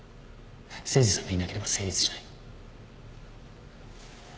誠司さんがいなければ成立しない。